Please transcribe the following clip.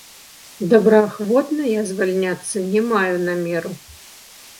Добраахвотна я звальняцца не маю намеру.